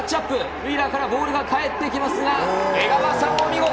ウィーラーからボールが返ってきますが、江川さんお見事！